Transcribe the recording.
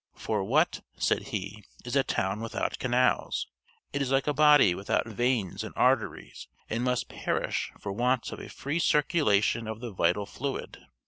"For what," said he, "is a town without canals? it is like a body without veins and arteries, and must perish for want of a free circulation of the vital fluid."